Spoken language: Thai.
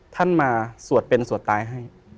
ท่านมาสวดเป็นสวดตายให้